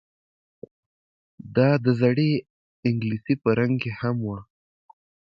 دا د زړې انګلیسي په رنګ کې هم وه